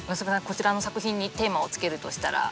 こちらの作品にテーマをつけるとしたら？